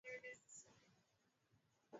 mkulima atunze shamba aweze kupata mavuno mengi